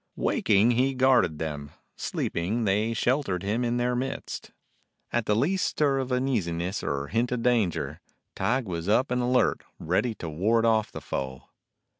Waking he guarded them, sleeping they shel tered him in their midst. At the least stir of uneasiness or hint of danger, Tige was up and alert, ready to ward off the foe.